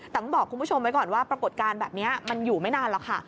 แต่ต้องบอกคุณผู้ชมไว้ก่อนว่าปรากฏการณ์แบบนี้มันอยู่ไม่นานหรอกค่ะ